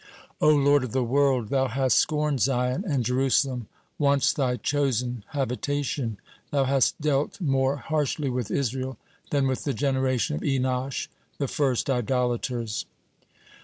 O Lord of the world! Thou hast scorned Zion and Jerusalem, once Thy chosen habitation. Thou hast dealt more harshly with Israel than with the generation of Enosh, the first idolaters."